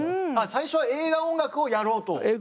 最初は映画音楽をやろうと？